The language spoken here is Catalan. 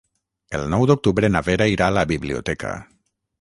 El nou d'octubre na Vera irà a la biblioteca.